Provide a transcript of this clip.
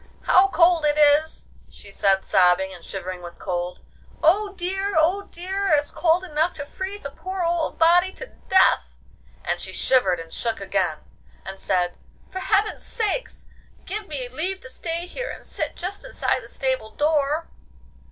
How cold it is!' she said, sobbing, and shivering with cold. 'Oh dear! oh dear! it's cold enough to freeze a poor old body to death!' and she shivered and shook again, and said, 'For heaven's sake give me leave to stay here and sit just inside the stable door.